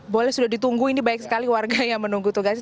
boleh sudah ditunggu ini banyak sekali warga yang menunggu tugasnya